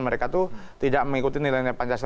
mereka tuh tidak mengikutin nilai nilai pancasila itu